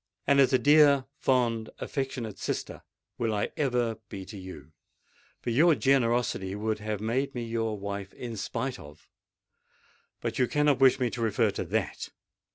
And as a dear, fond, affectionate sister will I ever be to you; for your generosity would have made me your wife in spite of——But you cannot wish me to refer to that!